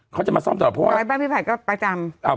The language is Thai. เขาจะมาซ่อมตลอดเพราะว่าซอยพี่ภัยก็ประจำ